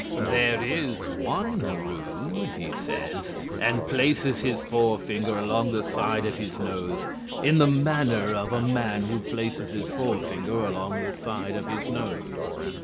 "There is one room," he says, and places his forefinger along the side of his nose, in the manner of a man who places his forefinger along the side of his nose.